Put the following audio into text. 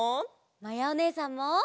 まやおねえさんも！